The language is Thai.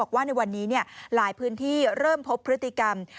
ว่าในวันนี้หลายพื้นที่เริ่มพบพฤติกรรม